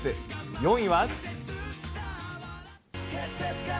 ４位は。